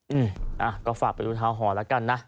อืมอ่ะก็ฝากไปดูทาหรณ์แล้วกันนะ